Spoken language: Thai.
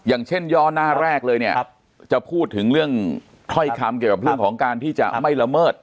อย่างเช่นย่อหน้าแรกเลยเนี่ยจะพูดถึงเรื่องถ้อยคำเกี่ยวกับเรื่องของการที่จะไม่ละเมิด